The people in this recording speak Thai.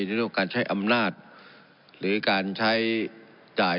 ในเรื่องการใช้อำนาจหรือการใช้จ่าย